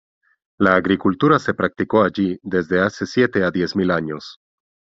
La agricultura se practicó allí desde hace siete a diez mil años.